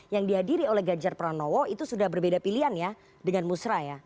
yang dihadiri oleh ganjar pranowo itu sudah berbeda pilihan ya dengan musra ya